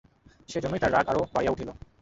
সেইজন্যই তাঁর রাগ আরো বাড়িয়া উঠিল।